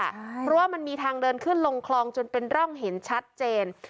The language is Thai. เพราะว่ามันมีทางเดินขึ้นลงคลองจนเป็นร่องเห็นชัดเจน